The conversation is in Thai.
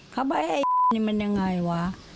เขาบอกไอ้นี่มันยังไงวะ